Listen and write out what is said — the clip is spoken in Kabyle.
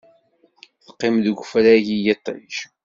Teqqim deg ufrag i yiṭij.